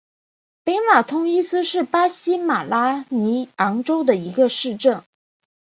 北马通伊斯是巴西马拉尼昂州的一个市镇。